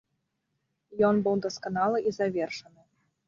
Ён быў дасканалы і завершаны.